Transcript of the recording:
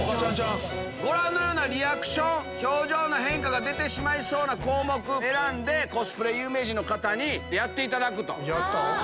ご覧のようなリアクション表情の変化出てしまいそうな項目選んでコスプレ有名人の方にやっていただくと。